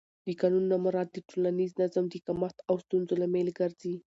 د قانون نه مراعت د ټولنیز نظم د کمښت او ستونزو لامل ګرځي